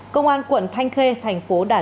công an quận thanh khê thành phố đài loan